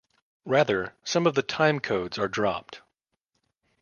Rather, some of the "timecodes" are dropped.